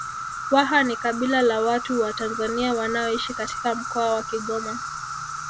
Waha ni kabila la watu wa Tanzania wanaoishi katika Mkoa wa Kigoma